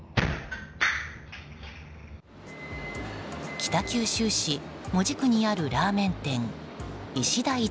北九州市門司区にあるラーメン店石田一